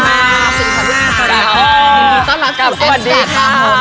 อันดับอันดับสวัสดีค่ะ